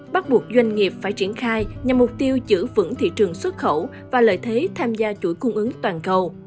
bắt buộc doanh nghiệp phải triển khai nhằm mục tiêu giữ vững thị trường xuất khẩu và lợi thế tham gia chuỗi cung ứng toàn cầu